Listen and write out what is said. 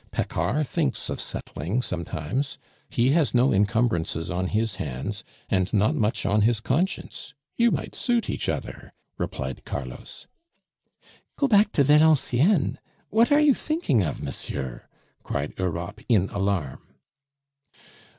Paccard thinks of settling sometimes; he has no encumbrances on his hands, and not much on his conscience; you might suit each other," replied Carlos. "Go back to Valenciennes! What are you thinking of, monsieur?" cried Europe in alarm.